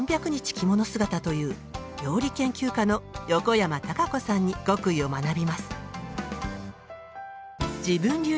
着物姿という料理研究家の横山タカ子さんに極意を学びます。